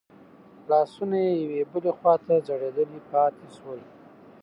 لاسونه يې يوې بلې خواته ځړېدلي پاتې شول.